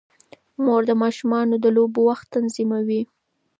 مور د ماشوم د لوبو وخت تنظيموي.